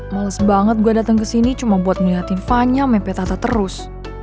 males banget gue dateng kesini cuma buat ngeliatin fanya mempe tata terus